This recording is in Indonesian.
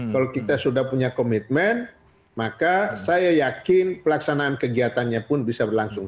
kalau kita sudah punya komitmen maka saya yakin pelaksanaan kegiatannya pun bisa berlangsung